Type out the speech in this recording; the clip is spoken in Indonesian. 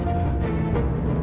aku akan menangkanmu